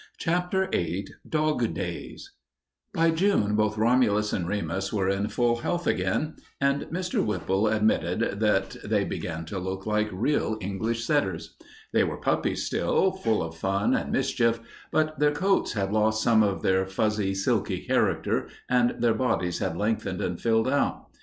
CHAPTER VIII DOG DAYS By June both Romulus and Remus were in full health again and Mr. Whipple admitted that they began to look like real English setters. They were puppies still, full of fun and mischief, but their coats had lost some of their fuzzy, silky character and their bodies had lengthened and filled out.